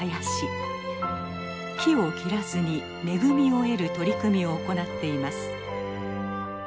木を切らずに恵みを得る取り組みを行っています。